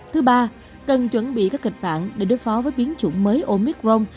thứ ba cần chuẩn bị các kịch bản để đối phó với biến chủng mới omicron